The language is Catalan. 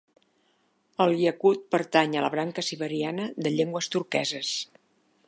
El iacut pertany a la branca siberiana de llengües turqueses.